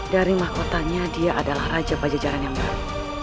dari mahkotanya dia adalah raja pada jajaran yang baru